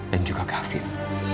dan juga gavin